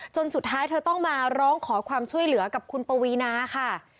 สุดท้ายเธอต้องมาร้องขอความช่วยเหลือกับคุณปวีนาค่ะ